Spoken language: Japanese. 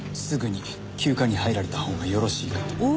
すぐに休暇に入られたほうがよろしいかと。